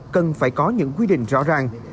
cần phải có những quy định rõ ràng